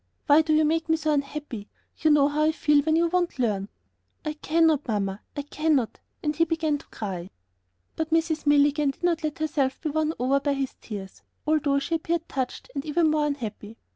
"Why do you make me so unhappy? You know how I feel when you won't learn." "I cannot, Mamma; I cannot." And he began to cry. But Mrs. Milligan did not let herself be won over by his tears, although she appeared touched and even more unhappy.